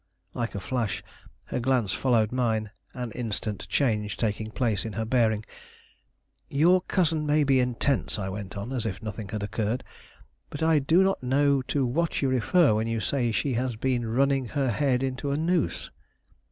Like a flash, her glance followed mine, an instant change taking place in her bearing. "Your cousin may be intense," I went on, as if nothing had occurred; "but I do not know to what you refer when you say she has been running her head into a noose."